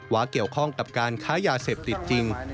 ว่าเกี่ยวข้องกับการค้ายาเสพติดจริง